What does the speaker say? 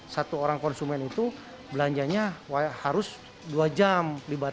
satu orang konsumen itu belanjanya harus dua jam